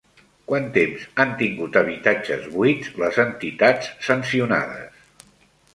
Quant temps han tingut habitatges buits les entitats sancionades?